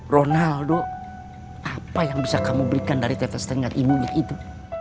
ronaldo apa yang bisa kamu berikan dari tetes tengar ibunya itu